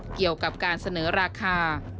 เกี่ยวกับการเสนอราคา